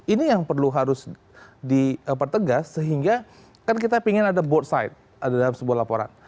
ini yang perlu harus dipertegas sehingga kan kita ingin ada board side dalam sebuah laporan